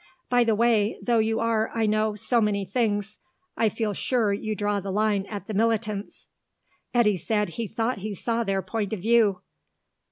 By the way, though you are, I know, so many things, I feel sure you draw the line at the militants." Eddy said he thought he saw their point of view.